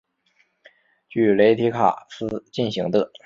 据雷提卡斯进行的。